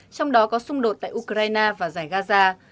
trong đó có xung đột tại ukraine và giải gaza